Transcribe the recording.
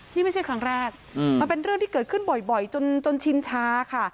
นี่ไม่ใช่ครั้งแรกมันเป็นเรื่องที่เกิดขึ้นบ่อยจนชินชาค่ะ